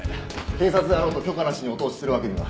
警察であろうと許可なしにお通しするわけには。